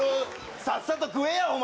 さっさと食えや、お前。